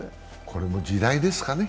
これも時代ですかね。